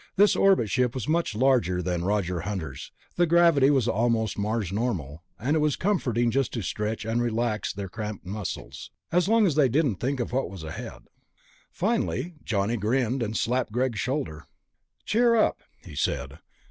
This orbit ship was much larger than Roger Hunter's; the gravity was almost Mars normal, and it was comforting just to stretch and relax their cramped muscles. As long as they didn't think of what was ahead. Finally Johnny grinned and slapped Greg's shoulder. "Cheer up," he said.